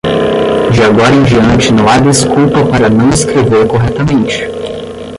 De agora em diante não há desculpa para não escrever corretamente.